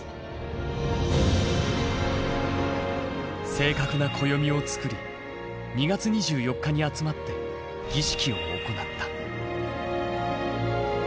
正確な暦をつくり２月２４日に集まって儀式を行った。